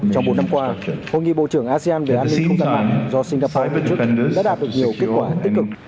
trong bốn năm qua hội nghị bộ trưởng asean về an ninh không gian mạng do singapore tổ chức đã đạt được nhiều kết quả tích cực